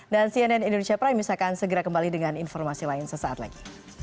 dan cnn indonesia prime news akan segera kembali dengan informasi lain sesaat lagi